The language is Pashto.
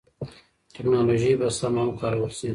ټکنالوژي به سمه وکارول شي.